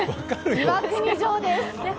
岩国城です。